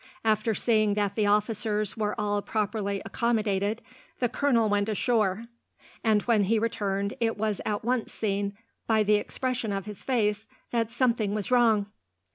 After seeing that the officers were all properly accommodated, the colonel went ashore, and when he returned it was at once seen, by the expression of his face, that something was wrong.